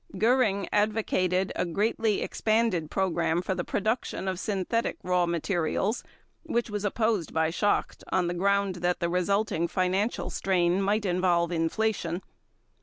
Göring advocated a greatly expanded program for the production of synthetic raw materials which was opposed by Schacht on the ground that the resulting financial strain might involve inflation.